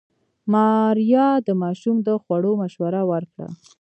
ماريا د ماشوم د خوړو مشوره ورکړه.